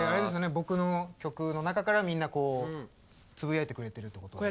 僕の曲の中からみんなつぶやいてくれてるって事だよね。